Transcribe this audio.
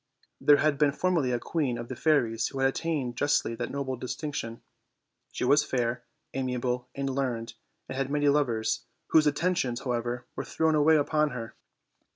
There had been formerly a queen of the fairies who had attained justly that noble distinction. She was fair, amiable, and learned, and had many lovers, whose at tentions, however, were thrown away upon her.